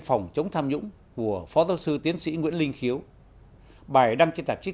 phòng chống tham nhũng của phó giáo sư tiến sĩ nguyễn linh khiếu bài đăng trên tạp chí